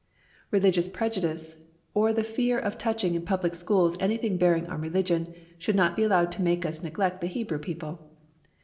Religious prejudice, or the fear of touching in public schools anything bearing on religion should not be allowed to make us neglect the Hebrew people.